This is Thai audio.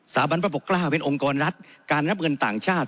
บันพระปกเกล้าเป็นองค์กรรัฐการรับเงินต่างชาติ